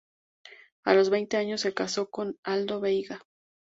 A los veinte años, se casó con Aldo Veiga.